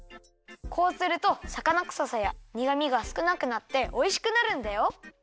こうするとさかなくささやにがみがすくなくなっておいしくなるんだよ！